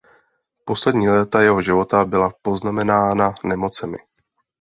Poslední léta jeho života byla poznamenána nemocemi.